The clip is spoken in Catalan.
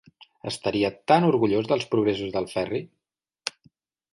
Estaria tan orgullosa dels progressos del Ferri!